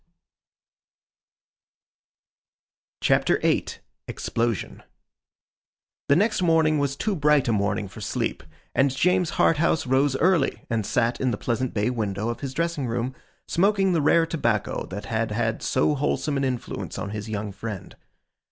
CHAPTER VIII EXPLOSION THE next morning was too bright a morning for sleep, and James Harthouse rose early, and sat in the pleasant bay window of his dressing room, smoking the rare tobacco that had had so wholesome an influence on his young friend.